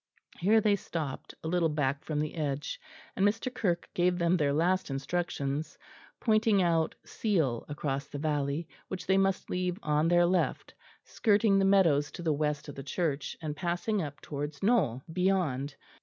Here they stopped, a little back from the edge, and Mr. Kirke gave them their last instructions, pointing out Seal across the valley, which they must leave on their left, skirting the meadows to the west of the church, and passing up towards Knole beyond.